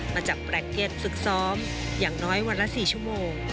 มาจากแปลงเก็ตฝึกซ้อมอย่างน้อยวันละ๔ชั่วโมง